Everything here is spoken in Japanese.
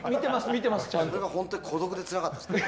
それが本当に孤独でつらかったです。